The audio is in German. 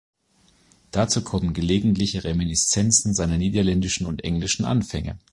Dazu kommen gelegentliche Reminiszenzen seiner niederländischen und englischen Anfänge.